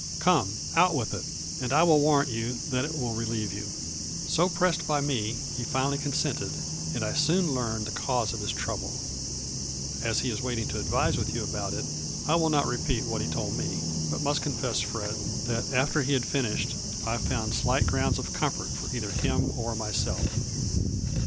Come, out with it, and I will warrant you that it will relieve you. '" So, pressed by me, he finally consented, and I soon learned the cause of his trouble. As he is waiting to advise with you about it, I will not repeat what he told me, but must con fess, Fred, that after he had finished, I found slight grounds of comfort for either him, or my self.